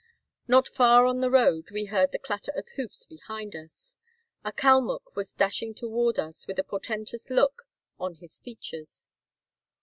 Not far on the road we heard the clatter of hoofs behind us. A Kalmuck IV 131 was dashing toward us with a portentous look on his features.